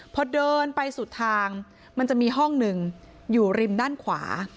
พอเดินไปสุดทางมันจะมีห้องหนึ่งอยู่ริมด้านขวา